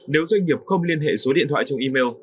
nếu doanh nghiệp không liên hệ số điện thoại trong email